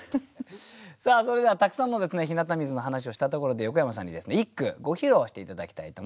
さあそれではたくさんの日向水の話をしたところで横山さんにですね一句ご披露して頂きたいと思います。